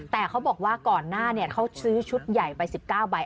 แต่เขาบอกว่าก่อนหน้าเขาซื้อชุดใหญ่ไป๑๙ใบ